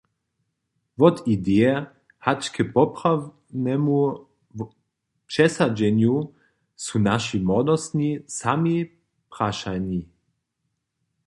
Wot ideje hač k poprawnemu přesadźenju su naši młodostni sami prašani.